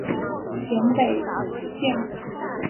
咸北线